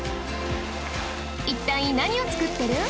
一体何を作ってる？